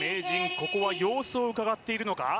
ここは様子をうかがっているのか？